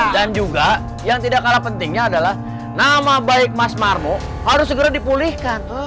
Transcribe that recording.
dan juga yang tidak kalah pentingnya adalah nama baik mas marmo harus segera dipulihkan